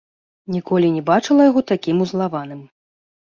Ніколі не бачыла яго такім узлаваным.